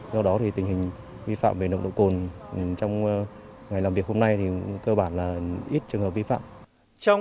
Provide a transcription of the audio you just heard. do đó thì tình hình vi phạm về nồng độ cồn trong ngày làm việc hôm nay thì cơ bản là ít trường hợp vi phạm